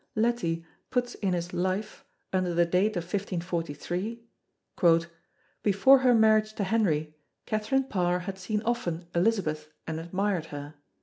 Leti puts in his Life, under the date of 1543, "before her marriage to Henry, Catherine Parr had seen often Elizabeth and admired her."